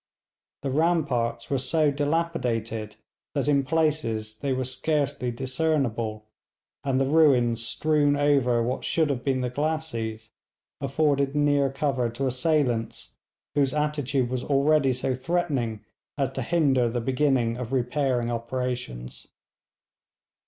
The ramparts were so dilapidated that in places they were scarcely discernible, and the ruins strewn over what should have been the glacis afforded near cover to assailants, whose attitude was already so threatening as to hinder the beginning of repairing operations.